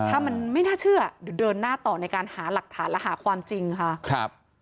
ถ้ามันไม่น่าเชื่อเดี๋ยวเดินหน้าต่อในการหาหลักฐานและหาความจริงค่ะครับ